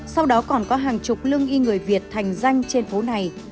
sau đó còn có hàng chục lương y người việt thành danh trên phố này